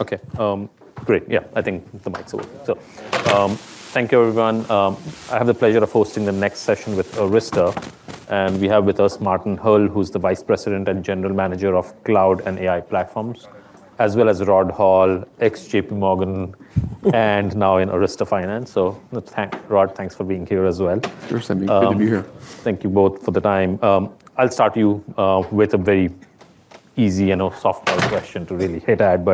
Okay, great. I think the mic's a little bit. Thank you, everyone. I have the pleasure of hosting the next session with Arista, and we have with us Martin Hull, who's the Vice President and General Manager of Cloud and AI Platforms, as well as Rod Hall, ex-J.P. Morgan, and now in Arista Finance. Thanks, Rod, thanks for being here as well. Sure, Sami, good to be here. Thank you both for the time. I'll start you with a very easy, you know, softball question to really hit at.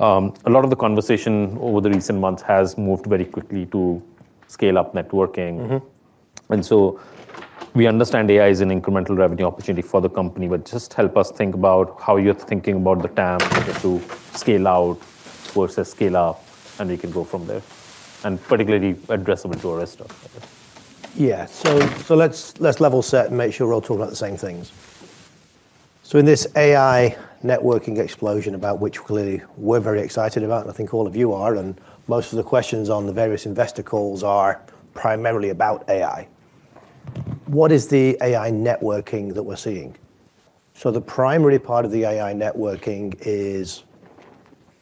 A lot of the conversation over the recent months has moved very quickly to scale-up networking. Mm-hmm. We understand AI is an incremental revenue opportunity for the company, but just help us think about how you're thinking about the TAM, whether to scale out versus scale up, and we can go from there. Particularly addressable to Arista. Yeah, let's level set and make sure we're all talking about the same things. In this AI networking explosion, about which clearly we're very excited, and I think all of you are, and most of the questions on the various investor calls are primarily about AI. What is the AI networking that we're seeing? The primary part of the AI networking is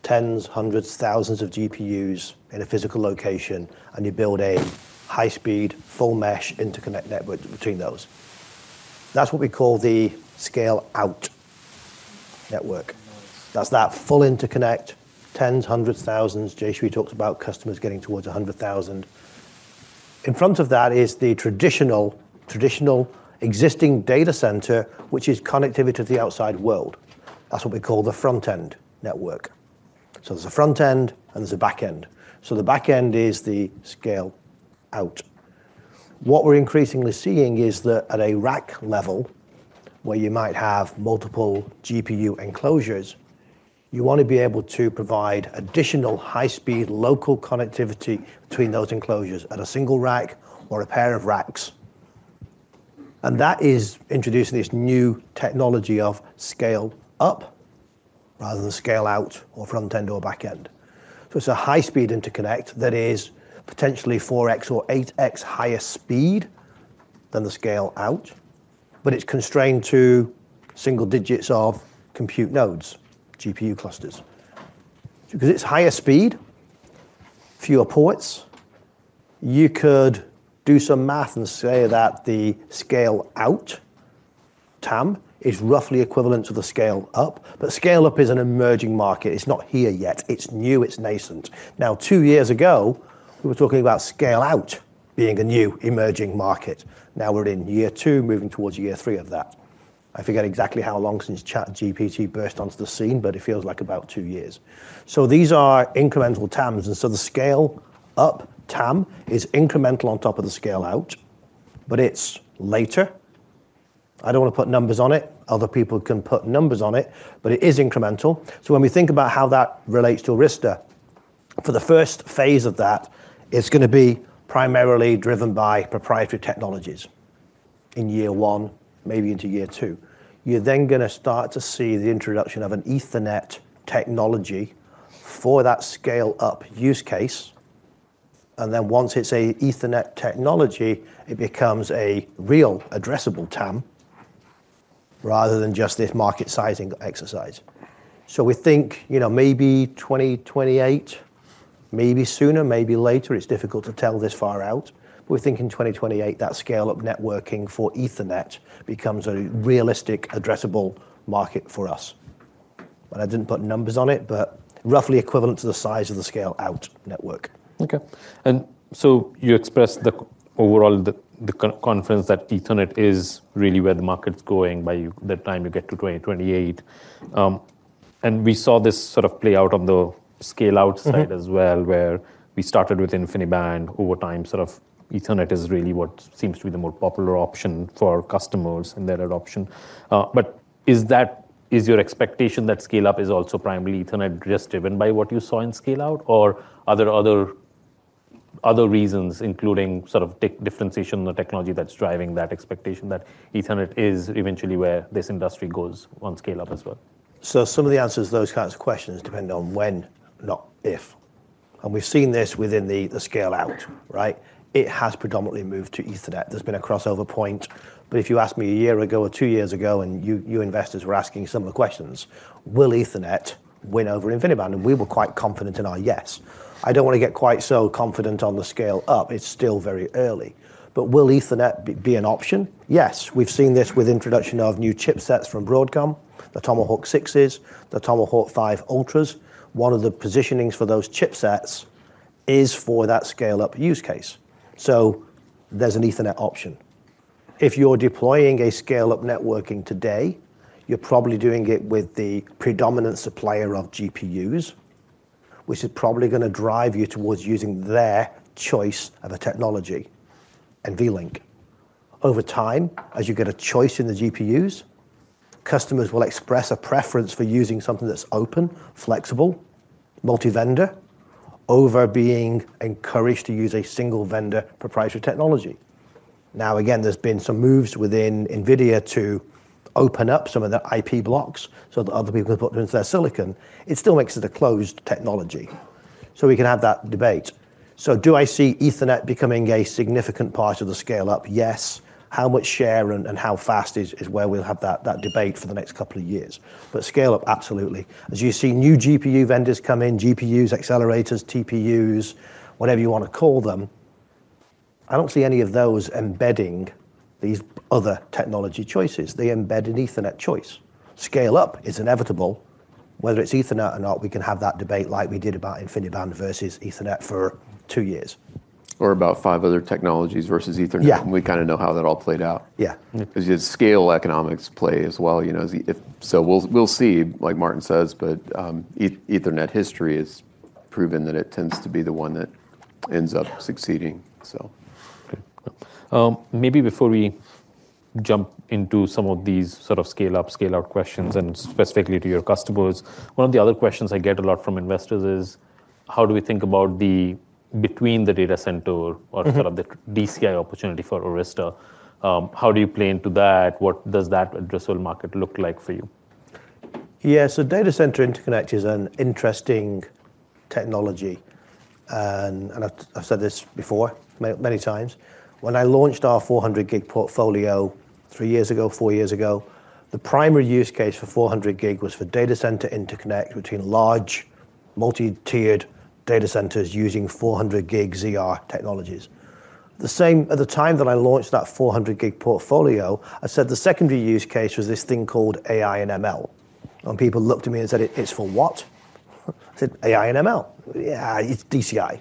tens, hundred, thousands of GPUs in a physical location, and you build a high-speed, full mesh interconnect network between those. That's what we call the scale-out network. That's that full interconnect, tens, hundreds, thousands. Jayshree talks about customers getting towards a hundred thousand. In front of that is the traditional, existing data center, which is connectivity to the outside world. That's what we call the front-end network. There's a front-end and there's a back-end. The back-end is the scale-out. What we're increasingly seeing is that at a rack level, where you might have multiple GPU enclosures, you want to be able to provide additional high-speed local connectivity between those enclosures at a single rack or a pair of racks. That is introducing this new technology of scale-up rather than scale-out or front-end or back-end. It's a high-speed interconnect that is potentially 4x or 8x higher speed than the scale-out, but it's constrained to single digits of compute nodes, GPU clusters. Because it's higher speed, fewer ports, you could do some math and say that the scale-out TAM is roughly equivalent to the scale-up, but scale-up is an emerging market. It's not here yet. It's new. It's nascent. Two years ago, we were talking about scale-out being a new emerging market. Now we're in year two, moving towards year three of that. I forget exactly how long since ChatGPT burst onto the scene, but it feels like about two years. These are incremental TAMs, and the scale-up TAM is incremental on top of the scale-out, but it's later. I don't want to put numbers on it. Other people can put numbers on it, but it is incremental. When we think about how that relates to Arista Networks, for the first phase of that, it's going to be primarily driven by proprietary technologies in year one, maybe into year two. You're then going to start to see the introduction of an Ethernet technology for that scale-up use case. Once it's an Ethernet technology, it becomes a real addressable TAM rather than just this market sizing exercise. We think maybe 2028, maybe sooner, maybe later, it's difficult to tell this far out, but we think in 2028 that scale-up networking for Ethernet becomes a realistic addressable market for us. I didn't put numbers on it, but roughly equivalent to the size of the scale-out network. Okay. You expressed the overall confidence that Ethernet is really where the market's going by the time you get to 2028. We saw this play out on the scale-out side as well, where we started with InfiniBand. Over time, Ethernet is really what seems to be the more popular option for customers and their adoption. Is your expectation that scale-up is also primarily Ethernet, just driven by what you saw in scale-out, or are there other reasons, including differentiation in the technology, that's driving that expectation that Ethernet is eventually where this industry goes on scale-up as well? Some of the answers to those kinds of questions depend on when, not if. We've seen this within the scale-out, right? It has predominantly moved to Ethernet. There's been a crossover point. If you ask me a year ago or two years ago, and you investors were asking similar questions, will Ethernet win over InfiniBand? We were quite confident in our yes. I don't want to get quite so confident on the scale-up. It's still very early. Will Ethernet be an option? Yes. We've seen this with the introduction of new chipsets from Broadcom, the Tomahawk 6s, the Tomahawk 5 Ultras. One of the positionings for those chipsets is for that scale-up use case. There's an Ethernet option. If you're deploying a scale-up networking today, you're probably doing it with the predominant supplier of GPUs, which is probably going to drive you towards using their choice of a technology, NVLink. Over time, as you get a choice in the GPUs, customers will express a preference for using something that's open, flexible, multi-vendor, over being encouraged to use a single vendor proprietary technology. There's been some moves within NVIDIA to open up some of their IP blocks so that other people can put them into their silicon. It still makes it a closed technology. We can have that debate. Do I see Ethernet becoming a significant part of the scale-up? Yes. How much share and how fast is where we'll have that debate for the next couple of years. Scale-up, absolutely. As you see new GPU vendors come in, GPUs, accelerators, TPUs, whatever you want to call them, I don't see any of those embedding these other technology choices. They embed an Ethernet choice. Scale-up is inevitable. Whether it's Ethernet or not, we can have that debate like we did about InfiniBand versus Ethernet for two years. Or about five other technologies versus Ethernet. We kind of know how that all played out, because you had scale economics play as well. If so, we'll see, like Martin says, but Ethernet history has proven that it tends to be the one that ends up succeeding. Maybe before we jump into some of these sort of scale-up, scale-out questions and specifically to your customers, one of the other questions I get a lot from investors is how do we think about the between the data center or sort of the DCI opportunity for Arista Networks? How do you play into that? What does that addressable market look like for you? Yeah, so Data Center Interconnect is an interesting technology. I've said this before many times. When I launched our 400G portfolio three years ago, four years ago, the primary use case for 400G was for Data Center Interconnect between large multi-tiered data centers using 400 Gb ZR technologies. At the same time that I launched that 400 Gb portfolio, I said the secondary use case was this thing called AI and ML. People looked at me and said, it's for what? I said, AI and ML. Yeah, it's DCI.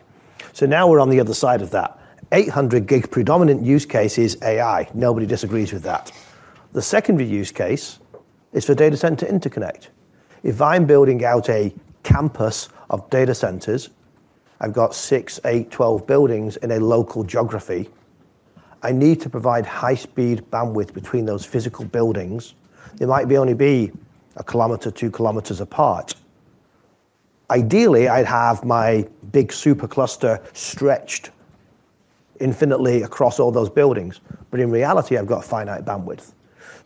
Now we're on the other side of that. 800 Gb predominant use case is AI. Nobody disagrees with that. The secondary use case is for Data Center Interconnect. If I'm building out a campus of data centers, I've got six, eight, twelve buildings in a local geography, I need to provide high-speed bandwidth between those physical buildings. It might only be a kilometer, 2 km apart. Ideally, I'd have my big supercluster stretched infinitely across all those buildings, but in reality, I've got finite bandwidth.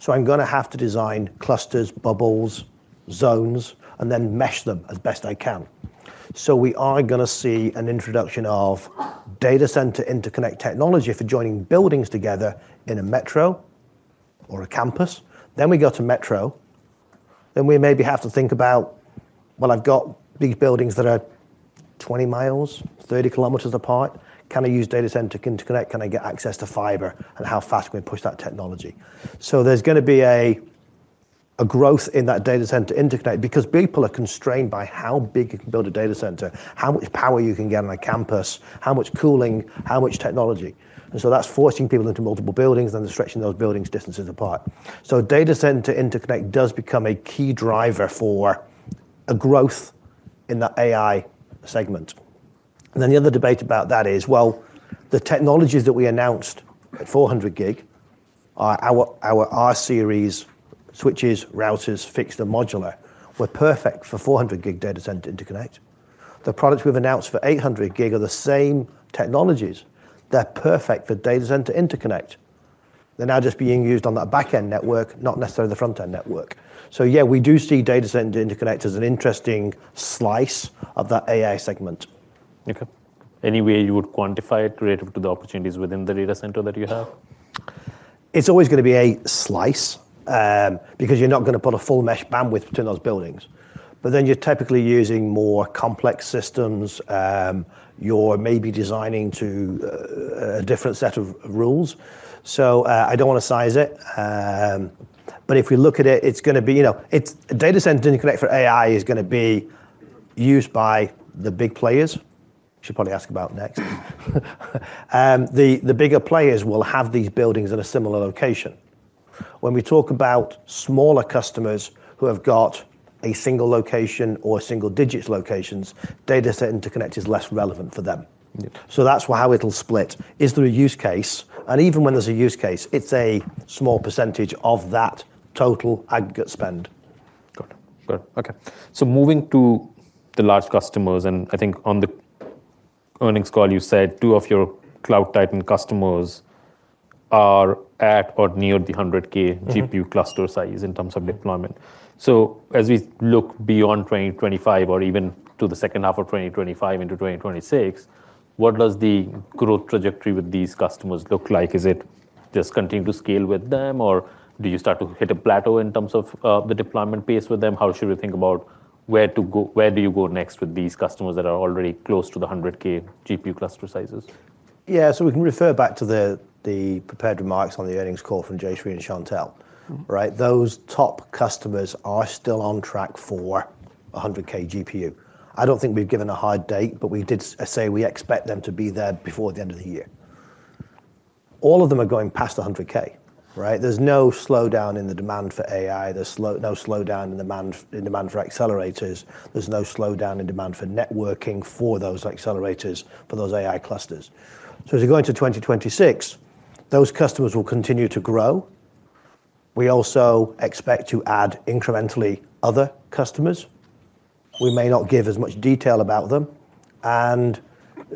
I'm going to have to design clusters, bubbles, zones, and then mesh them as best I can. We are going to see an introduction of Data Center Interconnect technology for joining buildings together in a metro or a campus. We go to metro. Maybe we have to think about, I've got these buildings that are 20 miles, 30 kilometers apart. Can I use Data Center Interconnect? Can I get access to fiber? How fast can we push that technology? There's going to be a growth in that Data Center Interconnect because people are constrained by how big you can build a data center, how much power you can get on a campus, how much cooling, how much technology. That's forcing people into multiple buildings and stretching those buildings distances apart. Data Center Interconnect does become a key driver for a growth in the AI segment. The other debate about that is, the technologies that we announced at 400G, our R series, switches, routers, fixed and modular, were perfect for 400 Gb Data Center Interconnect. The products we've announced for 800 Gb are the same technologies. They're perfect for Data Center Interconnect. They're now just being used on that backend network, not necessarily the frontend network. We do see Data Center Interconnect as an interesting slice of that AI segment. Okay, any way you would quantify it relative to the opportunities within the data center that you have? It's always going to be a slice, because you're not going to put a full mesh bandwidth between those buildings. Then you're typically using more complex systems. You're maybe designing to a different set of rules. I don't want to size it. If we look at it, it's going to be, you know, it's Data Center Interconnect for AI is going to be used by the big players, which you should probably ask about next. The bigger players will have these buildings in a similar location. When we talk about smaller customers who have got a single location or single digit locations, Data Center Interconnect is less relevant for them. That's how it'll split. Is there a use case? Even when there's a use case, it's a small percentage of that total aggregate spend. Got it. Okay. Moving to the large customers, I think on the earnings call, you said two of your Cloud Titan customers are at or near the 100K GPU cluster size in terms of deployment. As we look beyond 2025 or even to the second half of 2025 into 2026, what does the growth trajectory with these customers look like? Is it just continue to scale with them, or do you start to hit a plateau in terms of the deployment pace with them? How should we think about where to go? Where do you go next with these customers that are already close to the 100K GPU cluster sizes? Yeah, so we can refer back to the prepared remarks on the earnings call from Jayshree and Chantelle. Right. Those top customers are still on track for 100K GPU. I don't think we've given a hard date, but we did say we expect them to be there before the end of the year. All of them are going past 100K. There's no slowdown in the demand for AI. There's no slowdown in demand for accelerators. There's no slowdown in demand for networking for those accelerators, for those AI clusters. As we go into 2026, those customers will continue to grow. We also expect to add incrementally other customers. We may not give as much detail about them.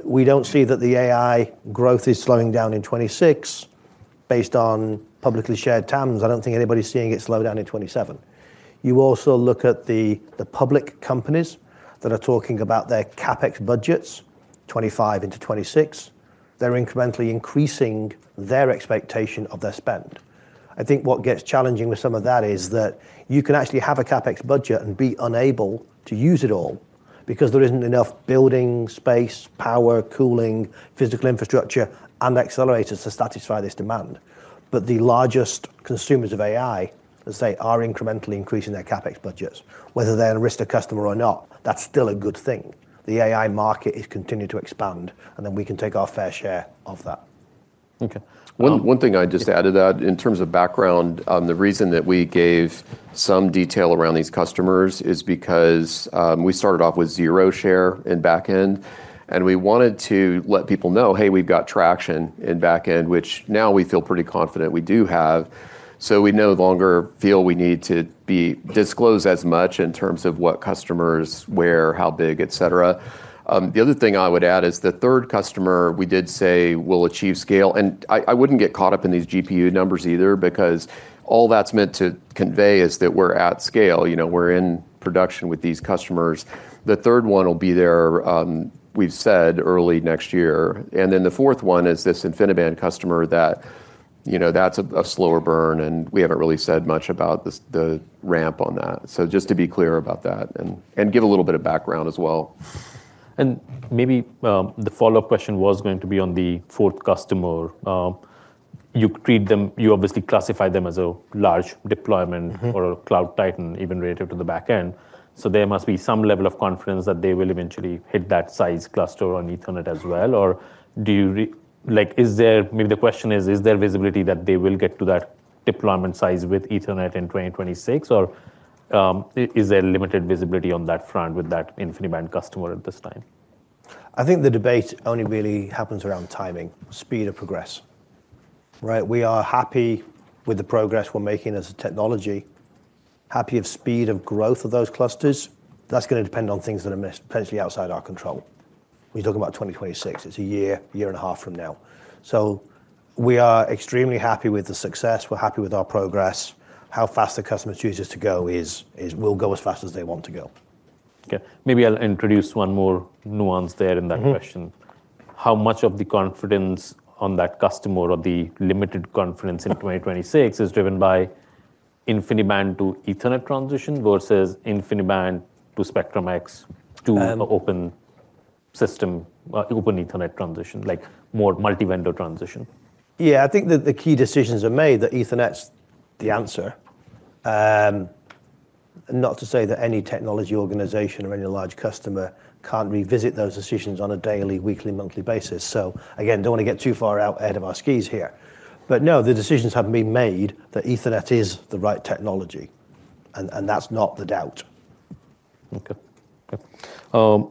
We don't see that the AI growth is slowing down in 2026. Based on publicly shared TAMs, I don't think anybody's seeing it slow down in 2027. You also look at the public companies that are talking about their CapEx budgets 2025 into 2026. They're incrementally increasing their expectation of their spend. I think what gets challenging with some of that is that you can actually have a CapEx budget and be unable to use it all because there isn't enough building space, power, cooling, physical infrastructure, and accelerators to satisfy this demand. The largest consumers of AI, as I say, are incrementally increasing their CapEx budgets. Whether they're an Arista Networks customer or not, that's still a good thing. The AI market is continuing to expand, and then we can take our fair share of that. Okay. One thing I just added to that in terms of background, the reason that we gave some detail around these customers is because we started off with zero share in backend, and we wanted to let people know, hey, we've got traction in backend, which now we feel pretty confident we do have. We no longer feel we need to disclose as much in terms of what customers, where, how big, et cetera. The other thing I would add is the third customer we did say will achieve scale, and I wouldn't get caught up in these GPU numbers either because all that's meant to convey is that we're at scale. We're in production with these customers. The third one will be there, we've said, early next year. The fourth one is this InfiniBand customer that, you know, that's a slower burn, and we haven't really said much about the ramp on that. Just to be clear about that and give a little bit of background as well. Maybe the follow-up question was going to be on the fourth customer. You treat them, you obviously classify them as a large deployment or a Cloud Titan, even relative to the backend. There must be some level of confidence that they will eventually hit that size cluster on Ethernet as well. Is there, maybe the question is, is there visibility that they will get to that deployment size with Ethernet in 2026? Is there limited visibility on that front with that InfiniBand customer at this time? I think the debate only really happens around timing, speed of progress. We are happy with the progress we're making as a technology, happy with the speed of growth of those clusters. That's going to depend on things that are potentially outside our control. We're talking about 2026. It's a year, year and a half from now. We are extremely happy with the success. We're happy with our progress. How fast the customer chooses to go is, is we'll go as fast as they want to go. Okay. Maybe I'll introduce one more nuance there in that question. How much of the confidence on that customer or the limited confidence in 2026 is driven by InfiniBand to Ethernet transition versus InfiniBand to SpectrumX to an open system, open Ethernet transition, like more multi-vendor transition? Yeah, I think that the key decisions are made that Ethernet's the answer. Not to say that any technology organization or any large customer can't revisit those decisions on a daily, weekly, monthly basis. I don't want to get too far out ahead of our skis here. No, the decisions have been made that Ethernet is the right technology. That's not the doubt. Okay.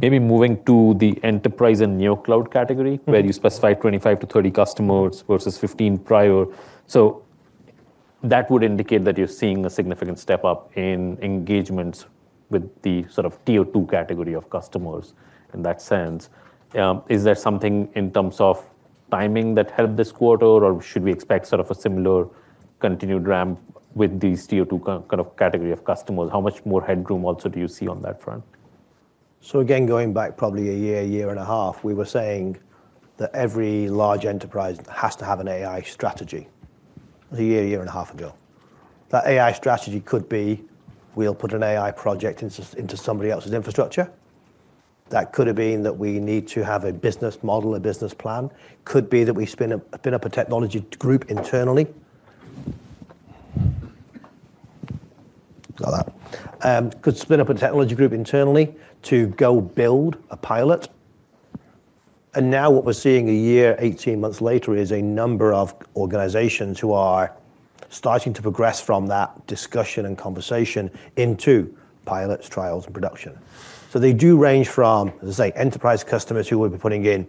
Maybe moving to the enterprise and NeoCloud category, where you specify 25-30 customers versus 15 prior. That would indicate that you're seeing a significant step up in engagements with the sort of Tier 2 category of customers in that sense. Is there something in terms of timing that helped this quarter, or should we expect a similar continued ramp with these Tier 2 kind of category of customers? How much more headroom also do you see on that front? Going back probably a year, year and a half, we were saying that every large enterprise has to have an AI strategy. It was a year, year and a half ago. That AI strategy could be, we'll put an AI project into somebody else's infrastructure. That could have been that we need to have a business model, a business plan. Could be that we spin up a technology group internally. I've got that. Could spin up a technology group internally to go build a pilot. Now what we're seeing a year, 18 months later is a number of organizations who are starting to progress from that discussion and conversation into pilots, trials, and production. They do range from, as I say, enterprise customers who will be putting in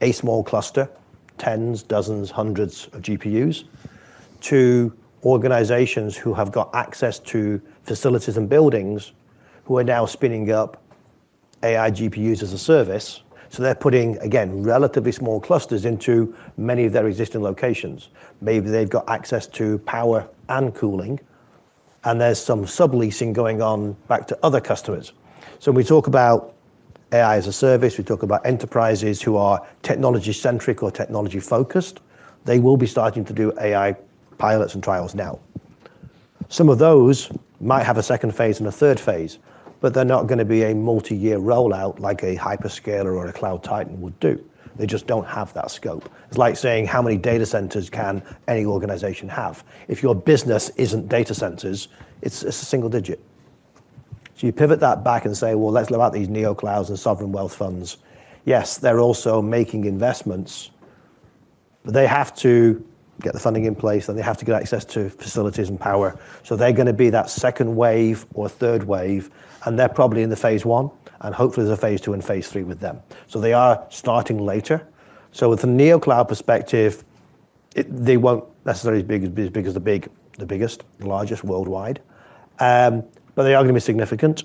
a small cluster, tens, dozens, hundreds of GPUs, to organizations who have got access to facilities and buildings who are now spinning up AI GPUs as a service. They're putting, again, relatively small clusters into many of their existing locations. Maybe they've got access to power and cooling, and there's some subleasing going on back to other customers. When we talk about AI as a service, we talk about enterprises who are technology-centric or technology-focused. They will be starting to do AI pilots and trials now. Some of those might have a second phase and a third phase, but they're not going to be a multi-year rollout like a hyperscaler or a Cloud Titan would do. They just don't have that scope. It's like saying how many data centers can any organization have? If your business isn't data centers, it's a single digit. Pivot that back and say, let's look at these NeoClouds and sovereign wealth funds. Yes, they're also making investments, but they have to get the funding in place, and they have to get access to facilities and power. They're going to be that second wave or third wave, and they're probably in the phase one, and hopefully there's a phase two and phase three with them. They are starting later. With the NeoCloud perspective, they won't necessarily be as big as the biggest, the largest worldwide. They are going to be significant.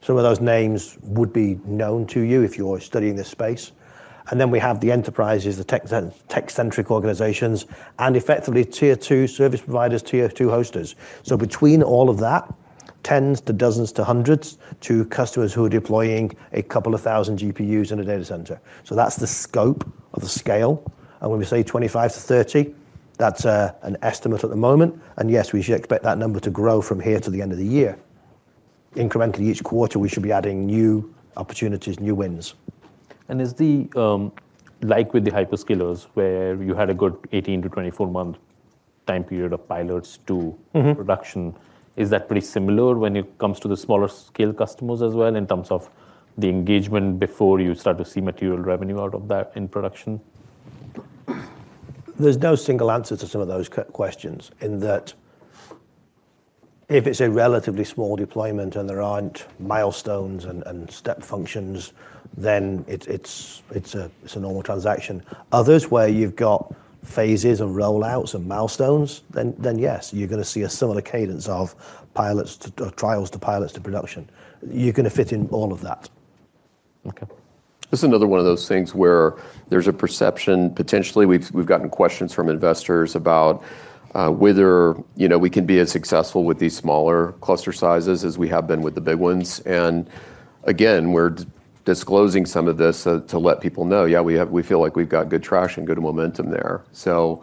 Some of those names would be known to you if you're studying this space. Then we have the enterprises, the tech-centric organizations, and effectively Tier 2 service providers, Tier 2 hosters. Between all of that, tens to dozens to hundreds to customers who are deploying a couple of thousand GPUs in a data center. That's the scope of the scale. When we say 25 to 30, that's an estimate at the moment. Yes, we should expect that number to grow from here to the end of the year. Incrementally, each quarter, we should be adding new opportunities, new wins. With the hyperscalers, where you had a good 18-24 month time period of pilots to production, is that pretty similar when it comes to the smaller scale customers as well in terms of the engagement before you start to see material revenue out of that in production? There's no single answer to some of those questions in that if it's a relatively small deployment and there aren't milestones and step functions, then it's a normal transaction. Others where you've got phases of rollouts and milestones, then yes, you're going to see a similar cadence of pilots to trials to pilots to production. You're going to fit in all of that. This is another one of those things where there's a perception, potentially we've gotten questions from investors about whether, you know, we can be as successful with these smaller cluster sizes as we have been with the big ones. Again, we're disclosing some of this to let people know, yeah, we have, we feel like we've got good traction, good momentum there. Some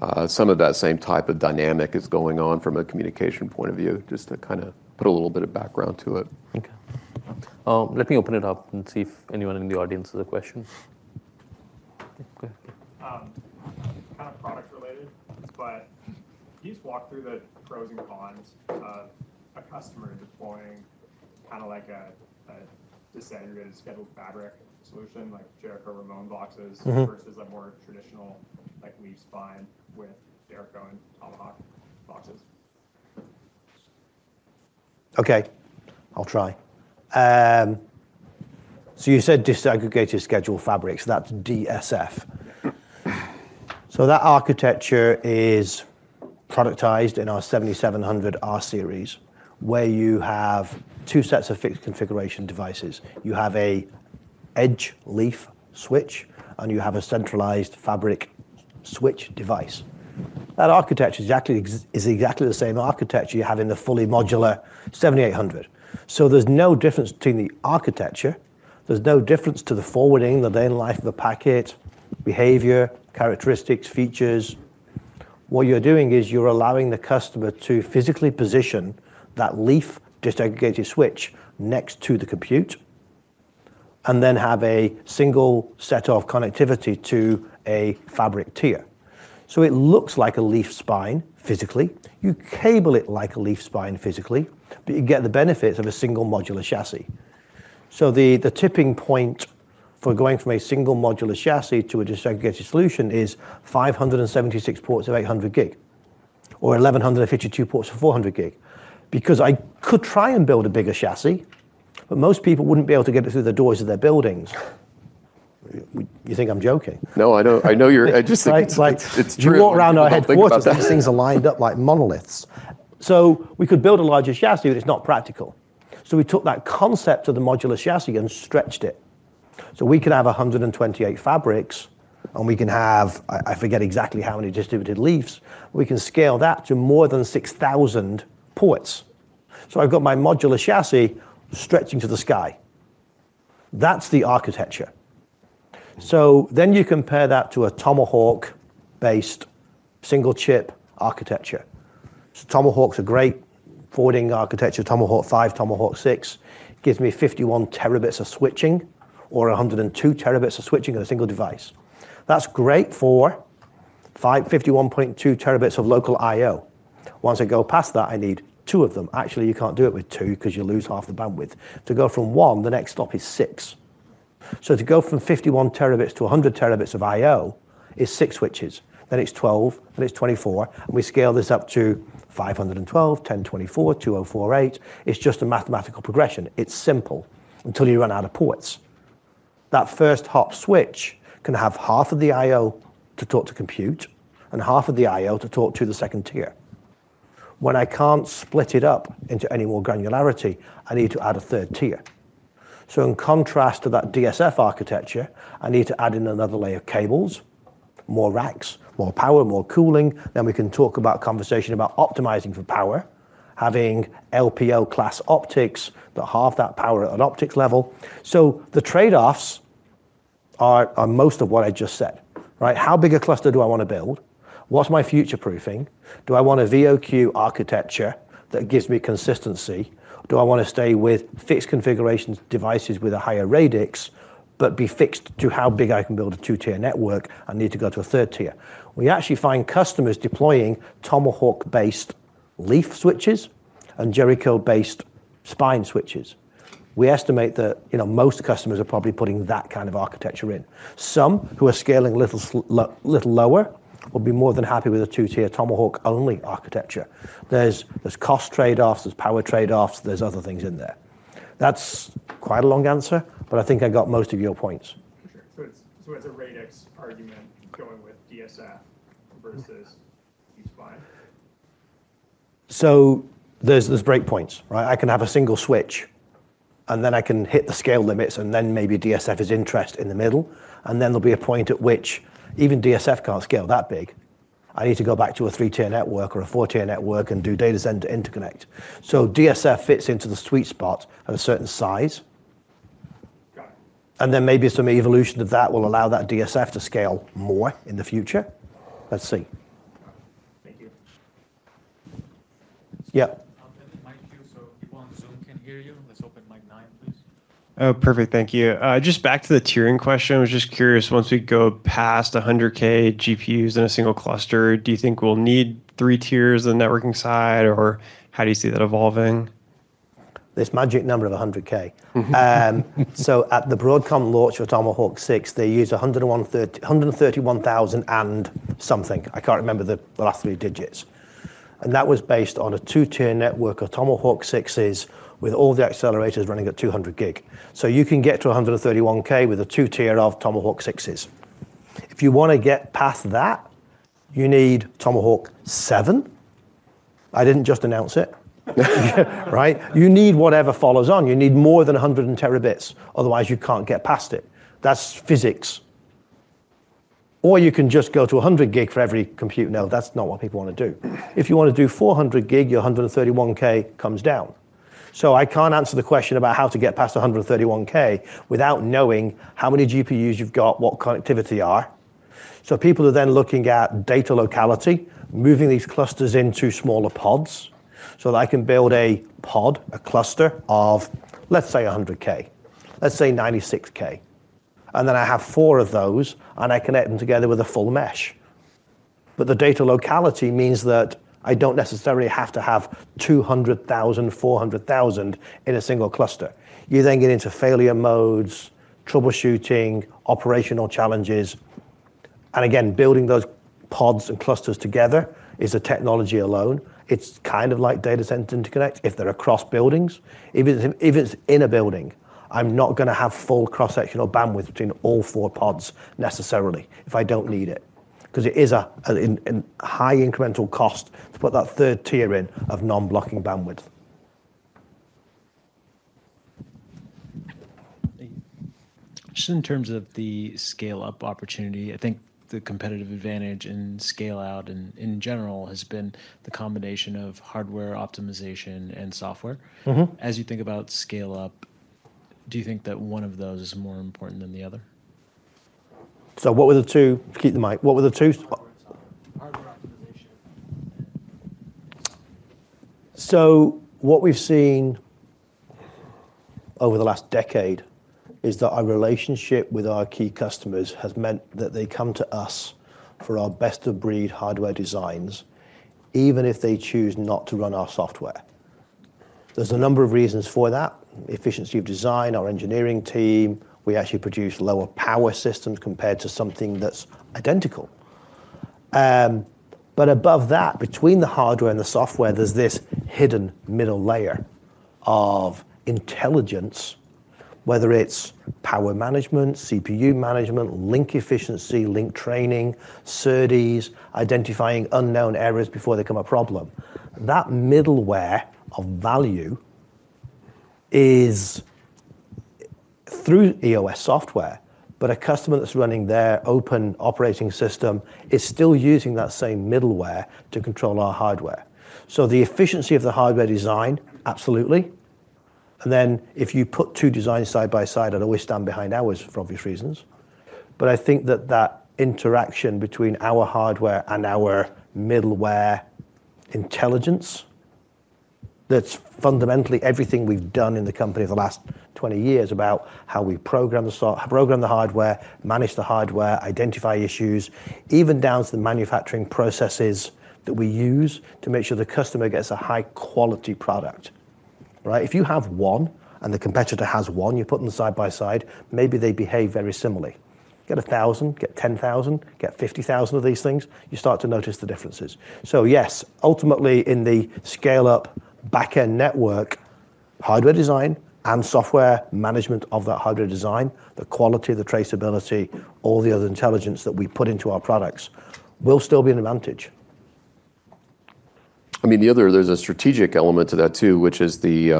of that same type of dynamic is going on from a communication point of view, just to kind of put a little bit of background to it. Okay, let me open it up and see if anyone in the audience has a question. Kind of product related, but can you just walk through the pros and cons of a customer deploying kind of like a disaggregated scheduled fabric solution like Jericho Ramon boxes versus a more traditional like we've spun with Jericho and Aloha? Okay, I'll try. You said disaggregated scheduled fabrics, that's DSF. That architecture is productized in our 7700R4 series, where you have two sets of fixed configuration devices. You have an edge leaf switch, and you have a centralized fabric switch device. That architecture is exactly the same architecture you have in the fully modular 7800. There's no difference between the architecture. There's no difference to the forwarding, the daily life of the packet, behavior, characteristics, features. What you're doing is you're allowing the customer to physically position that leaf disaggregated switch next to the compute and then have a single set of connectivity to a fabric tier. It looks like a leaf spine physically. You cable it like a leaf spine physically, but you get the benefits of a single modular chassis. The tipping point for going from a single modular chassis to a disaggregated solution is 576 ports of 800 Gb or 1,152 ports of 400 Gb because I could try and build a bigger chassis, but most people wouldn't be able to get it through the doors of their buildings. You think I'm joking? I know you're just. You walk around our headquarters, those things are lined up like monoliths. We could build a larger chassis, but it's not practical. We took that concept of the modular chassis and stretched it. We can have 128 fabrics, and we can have, I forget exactly how many distributed leafs, we can scale that to more than 6,000 ports. I've got my modular chassis stretching to the sky. That's the architecture. You compare that to a Tomahawk-based single-chip architecture. Tomahawk's a great forwarding architecture. Tomahawk 5, Tomahawk 6 gives me 51 Tb of switching or 102 Tb of switching in a single device. That's great for 51.2 Tb of local I/O. Once I go past that, I need two of them. Actually, you can't do it with two because you lose half the bandwidth. To go from one, the next stop is six. To go from 51 Tb-100 Tb of I/O is six switches. Then it's 12, then it's 24. We scale this up to 512, 1024, 2048. It's just a mathematical progression. It's simple until you run out of ports. That first hop switch can have half of the I/O to talk to compute and half of the I/O to talk to the second tier. When I can't split it up into any more granularity, I need to add a third tier. In contrast to that DSF architecture, I need to add in another layer of cables, more racks, more power, more cooling. We can talk about conversation about optimizing for power, having LPL class optics that halve that power at an optics level. The trade-offs are most of what I just said. Right? How big a cluster do I want to build? What's my future proofing? Do I want a VOQ architecture that gives me consistency? Do I want to stay with fixed configurations devices with a higher radix but be fixed to how big I can build a two-tier network and need to go to a third tier? We actually find customers deploying Tomahawk-based leaf switches and Jericho-based spine switches. We estimate that most customers are probably putting that kind of architecture in. Some who are scaling a little lower will be more than happy with a two-tier Tomahawk-only architecture. There's cost trade-offs, there's power trade-offs, there's other things in there. That's quite a long answer, but I think I got most of your points. It's a radix argument going with DSF versus. There are break points, right? I can have a single switch, and then I can hit the scale limits, and then maybe DSF is interested in the middle. There will be a point at which even DSF can't scale that big. I need to go back to a three-tier network or a four-tier network and do Data Center Interconnect. DSF fits into the sweet spot at a certain size. Maybe some evolution of that will allow that DSF to scale more in the future. Let's see. Yeah. Might feel so if one Zoom can hear you. Let's open mic nine, please. Oh, perfect. Thank you. Just back to the tiering question, I was just curious, once we go past 100K GPUs in a single cluster, do you think we'll need three tiers of the networking side, or how do you see that evolving? This magic number of 100K. At the Broadcom launch of Tomahawk 6, they used 131,000 and something. I can't remember the last three digits. That was based on a two-tier network of Tomahawk 6s with all the accelerators running at 200 Gb. You can get to 131K with a two-tier of Tomahawk 6s. If you want to get past that, you need Tomahawk 7. I didn't just announce it. Yeah, right? You need whatever follows on. You need more than 100 Tb. Otherwise, you can't get past it. That's physics. You can just go to 100 Gb for every compute. No, that's not what people want to do. If you want to do 400 Gb, your 131K comes down. I can't answer the question about how to get past 131K without knowing how many GPUs you've got, what connectivity are. People are then looking at data locality, moving these clusters into smaller pods. I can build a pod, a cluster of, let's say, 100K. Let's say 96K. Then I have four of those, and I connect them together with a full mesh. The data locality means that I don't necessarily have to have 200,000, 400,000 in a single cluster. You then get into failure modes, troubleshooting, operational challenges. Building those pods and clusters together is the technology alone. It's kind of like Data Center Interconnect if they're across buildings. If it's in a building, I'm not going to have full cross-sectional bandwidth between all four pods necessarily if I don't need it. It is a high incremental cost to put that third tier in of non-blocking bandwidth. Just in terms of the scale-up opportunity, I think the competitive advantage in scale-out in general has been the combination of hardware optimization and software. As you think about scale-up, do you think that one of those is more important than the other? What we've seen over the last decade is that our relationship with our key customers has meant that they come to us for our best-of-breed hardware designs, even if they choose not to run our software. There's a number of reasons for that. Efficiency of design, our engineering team, we actually produce lower power systems compared to something that's identical. Above that, between the hardware and the software, there's this hidden middle layer of intelligence, whether it's power management, CPU management, link efficiency, link training, SERDES, identifying unknown errors before they become a problem. That middleware of value is through EOS software, but a customer that's running their open operating system is still using that same middleware to control our hardware. The efficiency of the hardware design, absolutely. If you put two designs side by side, I'd always stand behind ours for obvious reasons. I think that interaction between our hardware and our middleware intelligence, that's fundamentally everything we've done in the company for the last 20 years about how we program the hardware, manage the hardware, identify issues, even down to the manufacturing processes that we use to make sure the customer gets a high-quality product. If you have one and the competitor has one, you put them side by side, maybe they behave very similarly. Get 1,000, get 10,000, get 50,000 of these things, you start to notice the differences. Ultimately, in the scale-up backend network, hardware design and software management of that hardware design, the quality, the traceability, all the other intelligence that we put into our products will still be an advantage. I mean, there's a strategic element to that too, which is the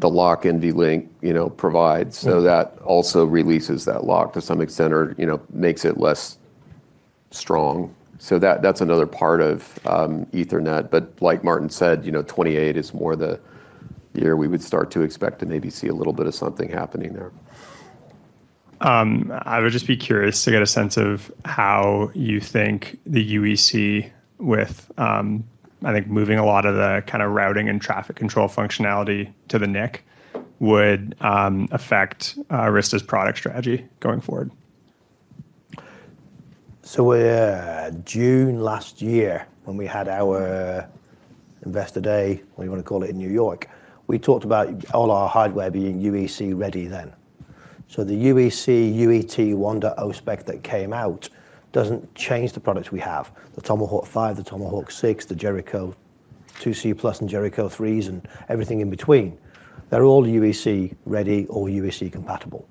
lock NVLink provides. That also releases that lock to some extent or makes it less strong. That's another part of Ethernet. Like Martin said, 2028 is more the year we would start to expect and maybe see a little bit of something happening there. I would just be curious to get a sense of how you think the UEC, with, I think, moving a lot of the kind of routing and traffic control functionality to the NIC, would affect Arista Networks' product strategy going forward. In June last year when we had our Investor Day in New York, we talked about all our hardware being UEC ready then. The UEC 1.0 spec that came out doesn't change the products we have. The Tomahawk 5, the Tomahawk 6, the Jericho 2C+ and Jericho 3s, and everything in between, they're all UEC ready or UEC compatible.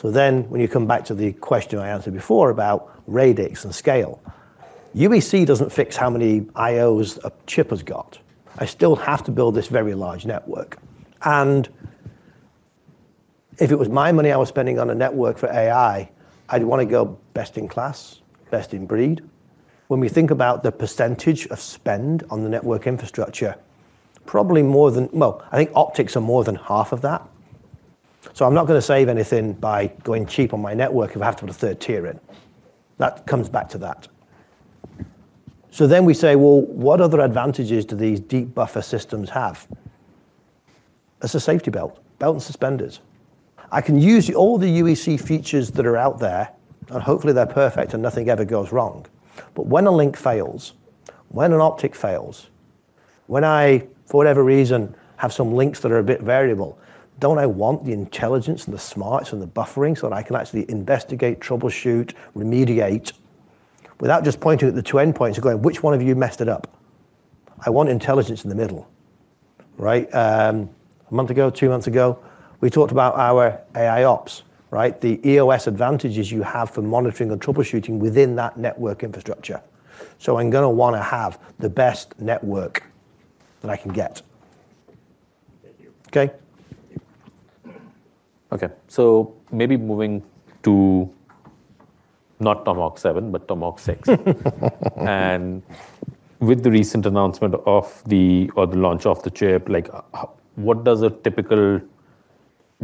When you come back to the question I answered before about radix and scale, UEC doesn't fix how many I/Os a chip has got. I still have to build this very large network. If it was my money I was spending on a network for AI, I'd want to go best in class, best in breed. When we think about the percentage of spend on the network infrastructure, probably more than, I think optics are more than half of that. I'm not going to save anything by going cheap on my network if I have to put a third tier in. That comes back to that. We say, what other advantages do these deep buffer systems have? It's a safety belt, belt and suspenders. I can use all the UEC features that are out there, and hopefully they're perfect and nothing ever goes wrong. When a link fails, when an optic fails, when I, for whatever reason, have some links that are a bit variable, don't I want the intelligence and the smarts and the buffering so that I can actually investigate, troubleshoot, remediate without just pointing at the two end points and going, which one of you messed it up? I want intelligence in the middle. Right? A month ago, two months ago, we talked about our AI ops, the EOS advantages you have for monitoring and troubleshooting within that network infrastructure. I'm going to want to have the best network that I can get. Okay. Okay. Maybe moving to not Tomahawk 7, but Tomahawk 6. With the recent announcement of the launch of the chip, what does a typical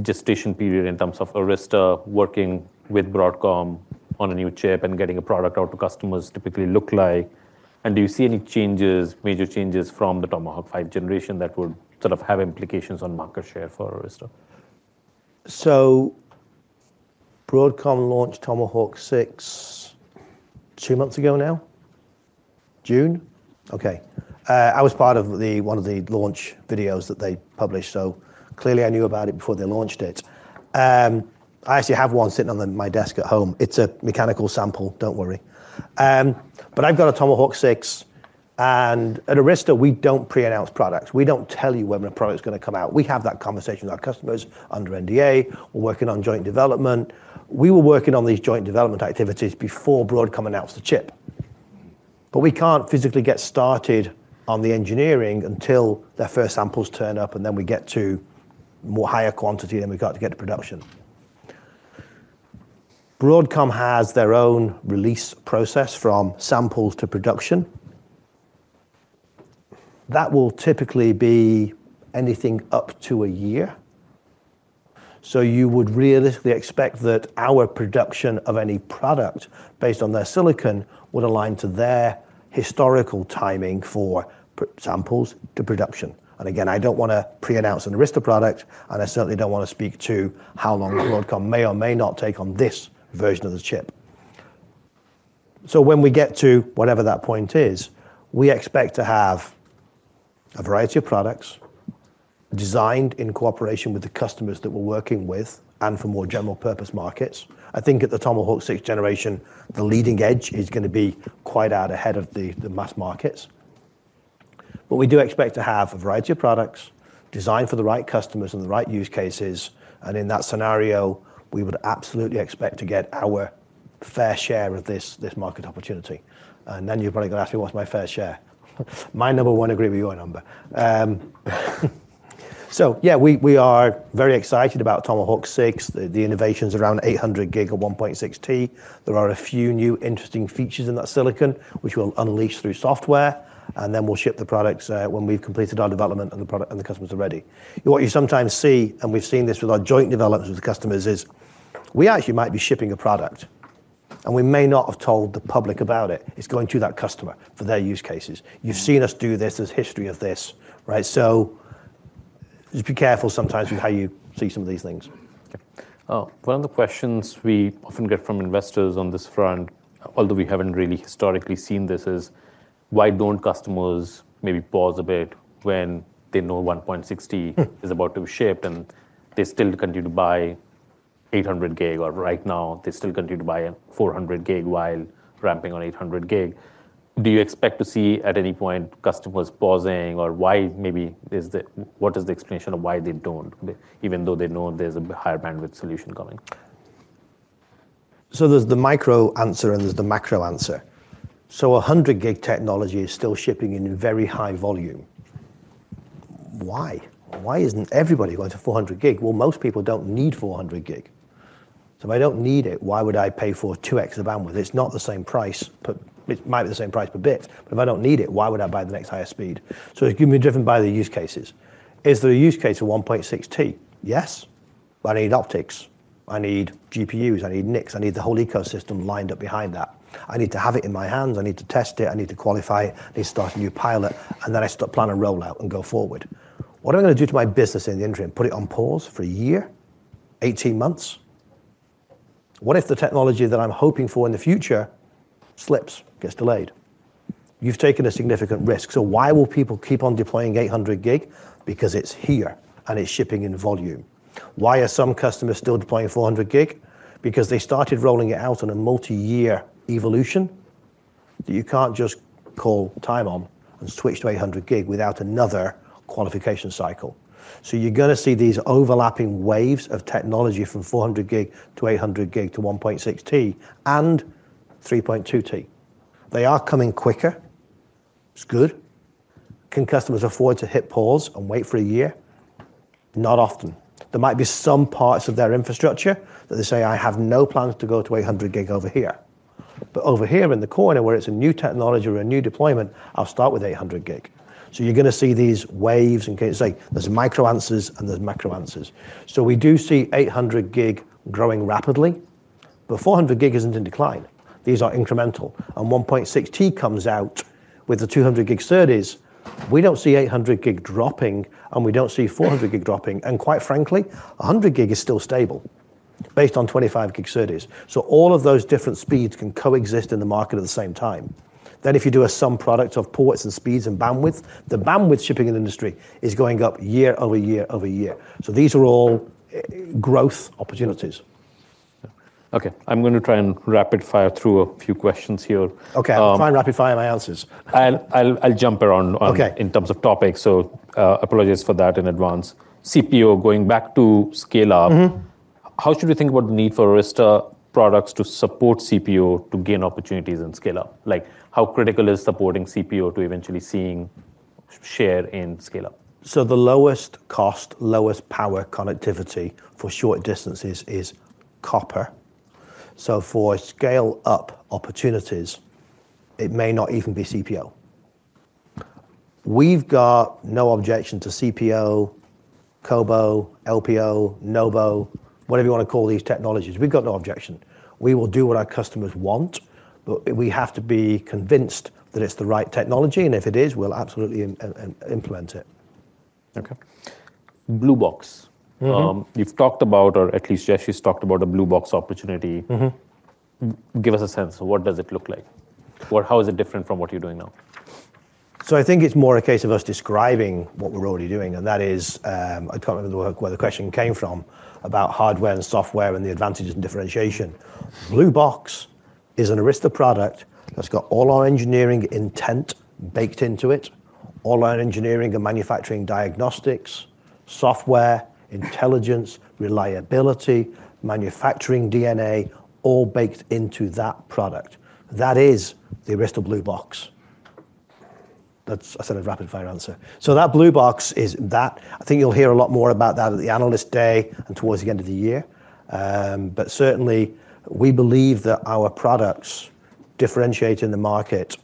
gestation period in terms of Arista working with Broadcom on a new chip and getting a product out to customers typically look like? Do you see any changes, major changes from the Tomahawk 5 generation that would sort of have implications on market share for Arista? Broadcom launched Tomahawk 6 two months ago now, June. I was part of one of the launch videos that they published, so clearly I knew about it before they launched it. I actually have one sitting on my desk at home. It's a mechanical sample, don't worry. I've got a Tomahawk 6. At Arista, we don't pre-announce products. We don't tell you when a product's going to come out. We have that conversation with our customers under NDA. We're working on joint development. We were working on these joint development activities before Broadcom announced the chip. We can't physically get started on the engineering until their first samples turn up, and then we get to more higher quantity and we can't get to production. Broadcom has their own release process from samples to production. That will typically be anything up to a year. You would realistically expect that our production of any product based on their silicon would align to their historical timing for samples to production. I don't want to pre-announce an Arista product, and I certainly don't want to speak to how long Broadcom may or may not take on this version of the chip. When we get to whatever that point is, we expect to have a variety of products designed in cooperation with the customers that we're working with and for more general purpose markets. I think at the Tomahawk 6 generation, the leading edge is going to be quite out ahead of the mass markets. We do expect to have a variety of products designed for the right customers and the right use cases. In that scenario, we would absolutely expect to get our fair share of this market opportunity. You're probably going to ask me, what's my fair share? My number won't agree with your number. We are very excited about Tomahawk 6, the innovations around 800 Gb at 1.6T. There are a few new interesting features in that silicon, which we'll unleash through software, and then we'll ship the products when we've completed our development and the product and the customers are ready. What you sometimes see, and we've seen this with our joint developments with customers, is we actually might be shipping a product, and we may not have told the public about it. It's going to that customer for their use cases. You've seen us do this, there's history of this, right? Just be careful sometimes with how you see some of these things. Okay. One of the questions we often get from investors on this front, although we haven't really historically seen this, is why don't customers maybe pause a bit when they know 1.6T is about to ship and they still continue to buy 800 Gb or right now they still continue to buy 400 Gb while ramping on 800 Gb? Do you expect to see at any point customers pausing or why maybe is that, what is the explanation of why they don't even though they know there's a higher bandwidth solution coming? There is the micro answer and there is the macro answer. 100 Gb technology is still shipping in very high volume. Why? Why isn't everybody going to 400 Gb? Most people do not need 400 Gb. If I do not need it, why would I pay for 2x of bandwidth? It is not the same price, but it might be the same price per bit. If I do not need it, why would I buy the next highest speed? It is going to be driven by the use cases. Is there a use case of 1.6T? Yes. I need optics. I need GPUs. I need NICs. I need the whole ecosystem lined up behind that. I need to have it in my hands. I need to test it. I need to qualify it. I need to start a new pilot. I start planning a rollout and go forward. What am I going to do to my business in the interim? Put it on pause for a year, 18 months? What if the technology that I am hoping for in the future slips, gets delayed? You have taken a significant risk. People will keep on deploying 800 Gb because it is here and it is shipping in volume. Some customers are still deploying 400 Gb because they started rolling it out on a multi-year evolution. You cannot just call time on and switch to 800 Gb without another qualification cycle. You are going to see these overlapping waves of technology from 400 Gb-800 Gb-1.6T and 3.2T. They are coming quicker. It is good. Can customers afford to hit pause and wait for a year? Not often. There might be some parts of their infrastructure that they say, "I have no plans to go to 800 Gb over here." Over here in the corner where it is a new technology or a new deployment, I will start with 800 Gb. You are going to see these waves and say there are micro answers and there are macro answers. 800 Gb is growing rapidly, but 400 Gb is not in decline. These are incremental. 1.6T comes out with the 200 Gb SERDES. We do not see 800 Gb dropping and we do not see 400 Gb dropping. Quite frankly, 100 Gb is still stable based on 25 Gb SERDES. All of those different speeds can coexist in the market at the same time. If you do a sum product of ports and speeds and bandwidth, the bandwidth shipping in the industry is going up year-over-year-over-year. These are all growth opportunities. Okay, I'm going to try and rapid fire through a few questions here. I'll try and rapid fire my answers. I'll jump around in terms of topics. Apologies for that in advance. CPO, going back to scale-up, how should we think about the need for Arista products to support CPO to gain opportunities in scale-up? How critical is supporting CPO to eventually seeing share in scale-up? The lowest cost, lowest power connectivity for short distances is copper. For scale-up opportunities, it may not even be CPO. We've got no objection to CPO, COBO, LPO, NOVO, whatever you want to call these technologies. We've got no objection. We will do what our customers want, but we have to be convinced that it's the right technology. If it is, we'll absolutely implement it. Okay. Blue box. You've talked about, or at least Jayshree's talked about the blue box opportunity. Give us a sense. What does it look like? How is it different from what you're doing now? I think it's more a case of us describing what we're already doing. I can't remember where the question came from about hardware and software and the advantages and differentiation. Blue box is an Arista product that's got all our engineering intent baked into it, all our engineering and manufacturing diagnostics, software, intelligence, reliability, manufacturing DNA, all baked into that product. That is the Arista blue box. That's a rapid-fire answer. That blue box is that. I think you'll hear a lot more about that at the analyst day and towards the end of the year. We believe that our products differentiate in the market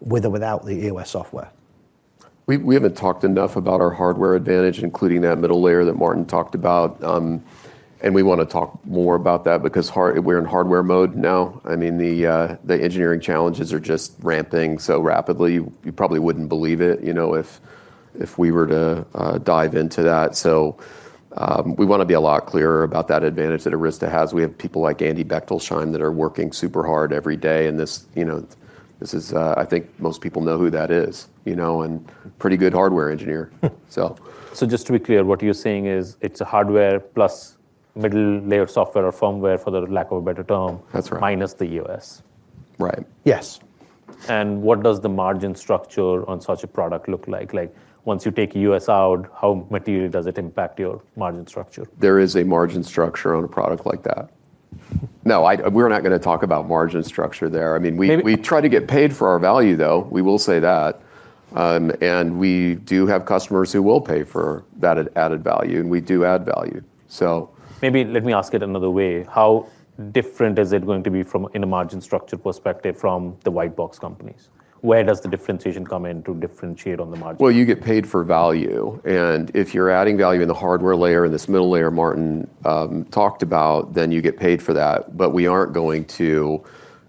with or without the EOS software. We haven't talked enough about our hardware advantage, including that middle layer that Martin Hull talked about. We want to talk more about that because we're in hardware mode now. The engineering challenges are just ramping so rapidly, you probably wouldn't believe it if we were to dive into that. We want to be a lot clearer about that advantage that Arista Networks has. We have people like Andy Bechtolsheim that are working super hard every day. Most people know who that is, and pretty good hardware engineer. Just to be clear, what you're saying is it's a hardware plus middle layer software or firmware, for the lack of a better term, minus the EOS. Right. Yes. What does the margin structure on such a product look like? Once you take EOS out, how materially does it impact your margin structure? There is a margin structure on a product like that. No, we're not going to talk about margin structure there. I mean, we try to get paid for our value, though. We will say that. We do have customers who will pay for that added value, and we do add value. Let me ask it another way. How different is it going to be from a margin structure perspective from the white box companies? Where does the differentiation come in to differentiate on the margin? You get paid for value, and if you're adding value in the hardware layer and this middle layer Martin talked about, then you get paid for that. We aren't going to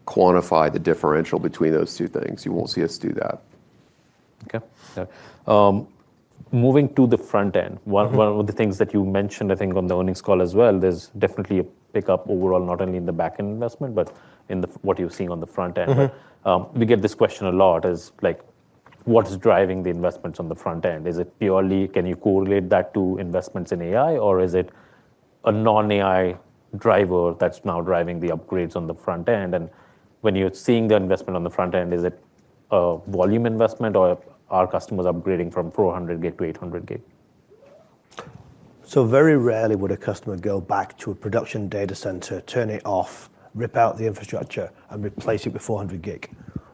quantify the differential between those two things. You won't see us do that. Okay. Moving to the front end, one of the things that you mentioned, I think on the earnings call as well, there's definitely a pickup overall, not only in the backend investment, but in what you're seeing on the front end. We get this question a lot: what's driving the investments on the front end? Is it purely, can you correlate that to investments in AI, or is it a non-AI driver that's now driving the upgrades on the front end? When you're seeing the investment on the front end, is it a volume investment, or are customers upgrading from 400 Gb-800 Gb? Very rarely would a customer go back to a production data center, turn it off, rip out the infrastructure, and replace it with 400G.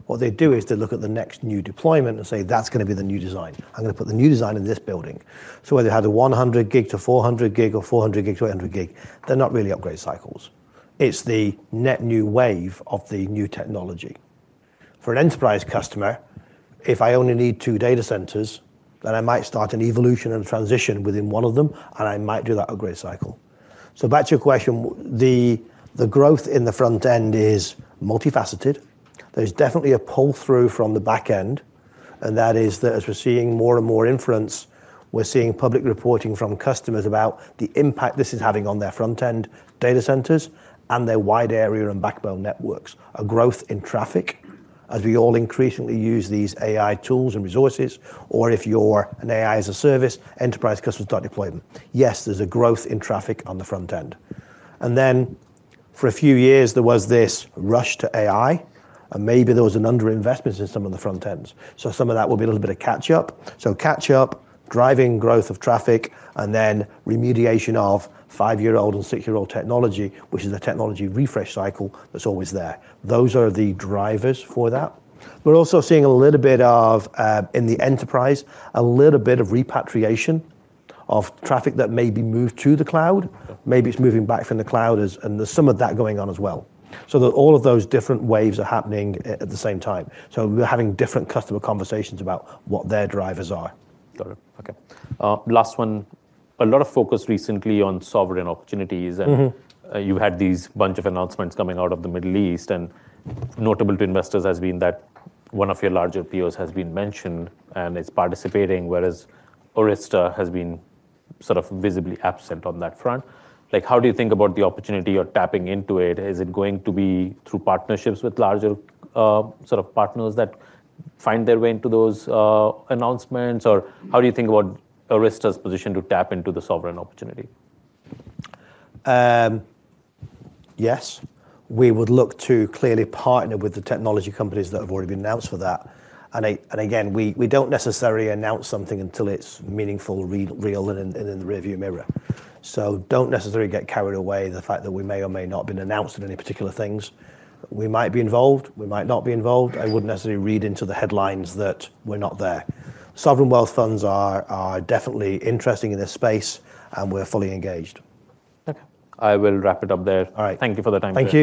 What they do is they look at the next new deployment and say, "That's going to be the new design. I'm going to put the new design in this building." Whether they had a 100 Gb-400 Gb or 400 Gb-800 Gb, they're not really upgrade cycles. It's the net new wave of the new technology. For an enterprise customer, if I only need two data centers, then I might start an evolution and transition within one of them, and I might do that upgrade cycle. Back to your question, the growth in the front end is multifaceted. There's definitely a pull-through from the back end. That is that as we're seeing more and more inference, we're seeing public reporting from customers about the impact this is having on their front-end data centers and their wide area and backbone networks. There's a growth in traffic as we all increasingly use these AI tools and resources, or if you're an AI as a service, enterprise customers start deploying. Yes, there's a growth in traffic on the front end. For a few years, there was this rush to AI, and maybe there was an underinvestment in some of the front ends. Some of that will be a little bit of catch-up. Catch-up is driving growth of traffic, and then remediation of five-year-old and six-year-old technology, which is the technology refresh cycle that's always there. Those are the drivers for that. We're also seeing a little bit of, in the enterprise, a little bit of repatriation of traffic that may be moved to the cloud. Maybe it's moving back from the cloud and there's some of that going on as well. All of those different waves are happening at the same time. We're having different customer conversations about what their drivers are. Got it. Okay. Last one. A lot of focus recently on sovereign opportunities. You had these bunch of announcements coming out of the Middle East. Notable to investors has been that one of your larger peers has been mentioned and is participating, whereas Arista Networks has been sort of visibly absent on that front. How do you think about the opportunity, you're tapping into it? Is it going to be through partnerships with larger sort of partners that find their way into those announcements? How do you think about Arista Networks' position to tap into the sovereign opportunity? Yes. We would look to clearly partner with the technology companies that have already been announced for that. We don't necessarily announce something until it's meaningful, real, and in the rearview mirror. Don't necessarily get carried away by the fact that we may or may not have been announced in any particular things. We might be involved. We might not be involved. I wouldn't necessarily read into the headlines that we're not there. Sovereign wealth funds are definitely interesting in this space, and we're fully engaged. Okay, I will wrap it up there. All right, thank you for the time. Thank you.